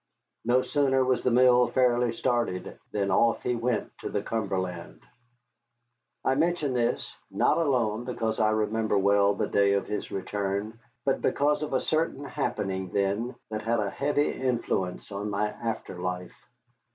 No sooner was the mill fairly started than off he went to the Cumberland. I mention this, not alone because I remember well the day of his return, but because of a certain happening then that had a heavy influence on my after life.